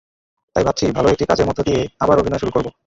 তাই ভাবছি, ভালো একটি কাজের মধ্য দিয়ে আবার অভিনয় শুরু করব।